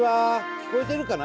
聞こえてるかな？